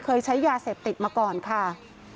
เคยใช้ยาเสพติดมาก่อนค่ะ